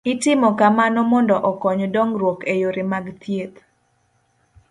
Itimo kamano mondo okony dongruok e yore mag thieth